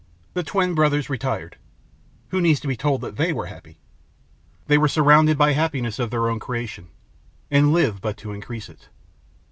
The twin brothers retired. Who needs to be told that THEY were happy? They were surrounded by happiness of their own creation, and lived but to increase it.